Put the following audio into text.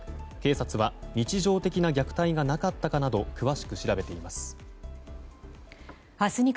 警察は日常的な虐待がなかったかなど詳しく調べています。